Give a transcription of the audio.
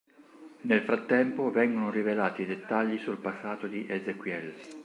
Nel frattempo vengono rivelati dettagli sul passato di Ezequiel.